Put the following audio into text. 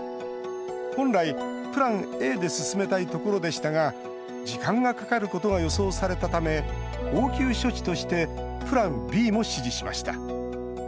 本来、プランＡで進めたいところでしたが時間がかかることが予想されたため応急処置としてプランＢも指示しました。